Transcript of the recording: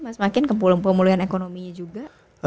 mas makin pemulihan ekonominya juga